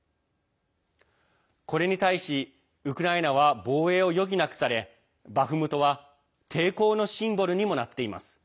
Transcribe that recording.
これに対し、ウクライナは防衛を余儀なくされバフムトは抵抗のシンボルにもなっています。